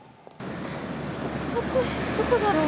暑い、どこだろう。